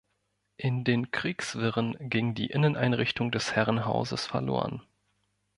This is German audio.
In den Kriegswirren ging die Inneneinrichtung des Herrenhauses verloren.